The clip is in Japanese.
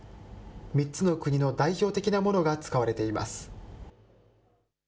３つの国の代表的なものが使われています。